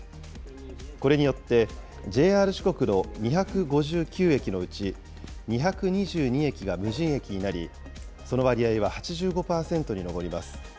これによって、ＪＲ四国の２５９駅のうち、２２２駅が無人駅になり、その割合は８５％に上ります。